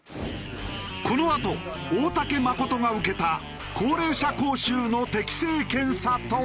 このあと大竹まことが受けた高齢者講習の適性検査とは？